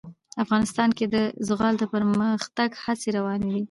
افغانستان کې د زغال د پرمختګ هڅې روانې دي.